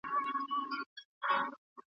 ناپوه دومره په بل نه کوي لکه په ځان .